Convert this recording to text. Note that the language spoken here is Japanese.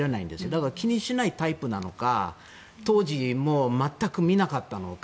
だから気にしないタイプなのか当時、もう全く見なかったのか。